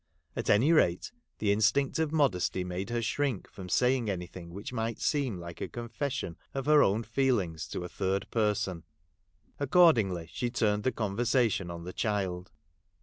At any rate the instinct of modesty made her shrink from saying anything which might seem like a confession of her own feelings to a third person. Accordingly she turned the conversation on the child.